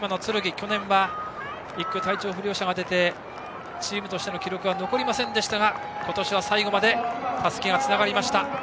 去年は１区で体調不良者が出てチームとしての記録は残りませんでしたが今年は最後までたすきがつながりました。